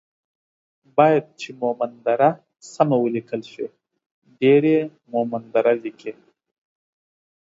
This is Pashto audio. بايد چې مومند دره سمه وليکل شي ،ډير يي مومندره ليکي